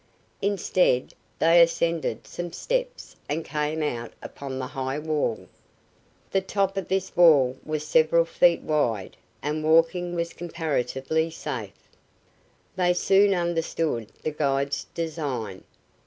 Instead, they ascended some steps and came out upon the high wall. The top of this wall was several feet wide, and walking was comparatively safe. They soon understood the guide's design.